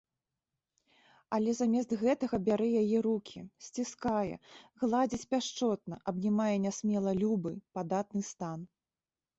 Але замест гэтага бярэ яе рукі, сціскае, гладзіць пяшчотна, абнімае нясмела любы, падатны стан.